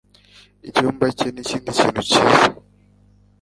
Icyumba cye nikindi kintu cyiza